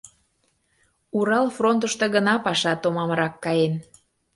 Урал фронтышто гына паша томамрак каен.